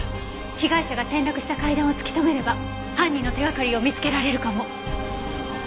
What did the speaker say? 被害者が転落した階段を突き止めれば犯人の手がかりを見つけられるかも。